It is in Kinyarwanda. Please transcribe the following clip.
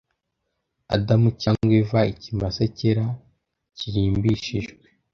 Adamu cyangwa Eva, ikimasa cyera kirimbishijwe